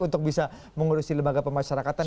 untuk bisa mengurusi lembaga pemasyarakatan